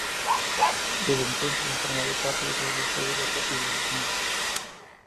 Desde entonces ha formado parte de todos los Juegos Deportivos Nacionales.